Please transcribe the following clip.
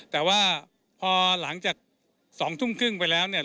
แต่ว่าพอหลังจาก๒ทุ่มครึ่งไปแล้วเนี่ย